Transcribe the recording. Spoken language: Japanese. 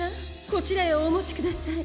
こちらへおもちください」。